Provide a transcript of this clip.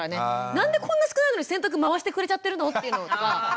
何でこんな少ないのに洗濯回してくれちゃってるの？っていうのとか。